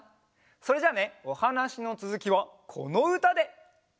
それじゃあねおはなしのつづきはこのうたで！